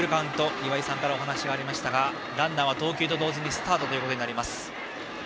岩井さんからお話がありましたがランナーは投球と同時にスタートになります。